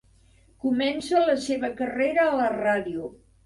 Comença la seva carrera a la ràdio.